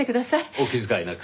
お気遣いなく。